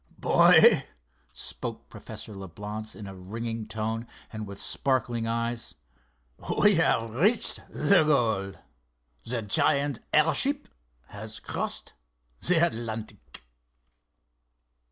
"Boy," spoke Professor Leblance, in a ringing tone and with sparkling eyes, "we have reached goal! The giant airship has crossed the Atlantic!"